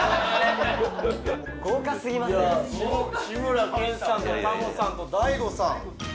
志村けんさんとタモさんと大悟さん